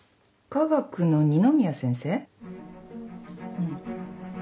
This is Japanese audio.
うん。